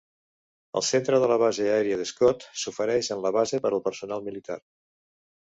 El centre de la base aèria de Scott s'ofereix en la base per al personal militar.